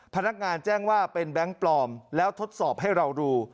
พนักงานแจ้งว่าเป็นแบงค์ปลอมแล้วทดสอบให้เราดู